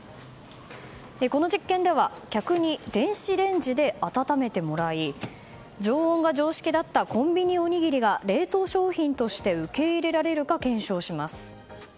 この実験では客に電子レンジで温めてもらい常温が常識だったコンビニおにぎりが冷凍商品として受け入れられるか検証します。